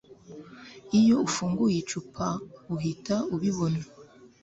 Iyo ufunguye icupa uhita ubibona